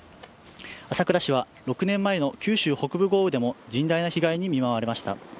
朝倉市は６年前の九州北部豪雨でも甚大な被害に見舞われました。